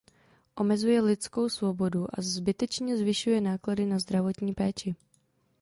Omezuje lidskou svobodu a zbytečně zvyšuje náklady na zdravotní péči.